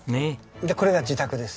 これが自宅です。